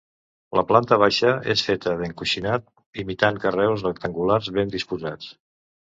La planta baixa és feta d'encoixinat, imitant carreus rectangulars ben disposats.